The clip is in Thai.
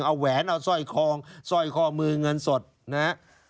เอาแหวนเอาสร้อยคองสร้อยข้อมือเงินสดนะครับ